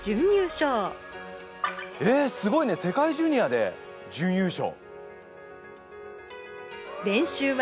すごいね世界ジュニアで準優勝！